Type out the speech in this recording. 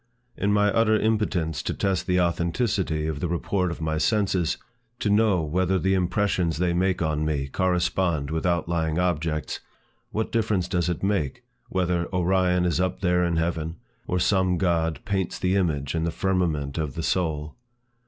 In my utter impotence to test the authenticity of the report of my senses, to know whether the impressions they make on me correspond with outlying objects, what difference does it make, whether Orion is up there in heaven, or some god paints the image in the firmament of the soul?